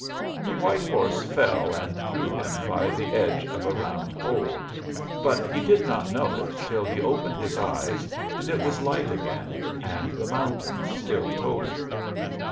The white horse fell and threw him by the edge of a round hole, but he did not know it till he opened his eyes and it was light again, and the mountains still tolling.